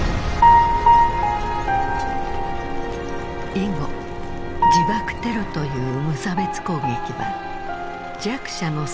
以後自爆テロという無差別攻撃は弱者の戦術として定着。